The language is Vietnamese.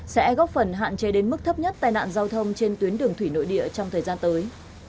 sẽ góp phần hạn chế đến mức thấp nhất tai nạn giao thông trên tuyến đường thủy nội địa trong thời gian tới